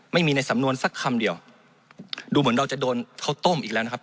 ในสำนวนสักคำเดียวดูเหมือนเราจะโดนข้าวต้มอีกแล้วนะครับ